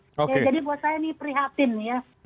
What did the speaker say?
jadi buat saya ini prihatin ya